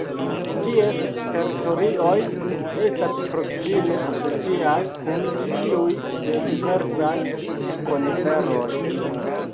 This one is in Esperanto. Ties teritorioj estas proksime asociaj kun tiuj de diversaj koniferoj.